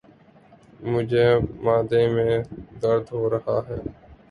مجھے معدے میں درد ہو رہا ہے۔